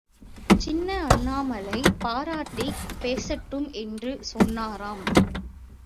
சின்ன அண்ணாமலை பாராட்டிப் பேசட்டும் என்று சொன்னாராம்.